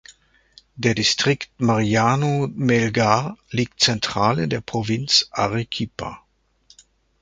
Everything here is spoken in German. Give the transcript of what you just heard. Der Distrikt Mariano Melgar liegt zentral in der Provinz Arequipa.